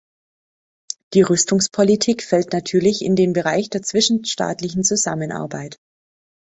Die Rüstungspolitik fällt natürlich in den Bereich der zwischenstaatlichen Zusammenarbeit.